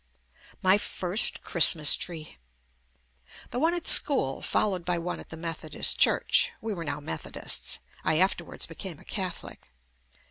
My first Christmas tree! The one at school followed by one at the Methodist Church (we were now Methodists — I afterwards became a Catholic).